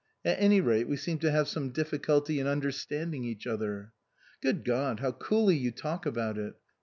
At any rate, we seem to have some difficulty in under standing each other." " Good God ! how coolly you talk about it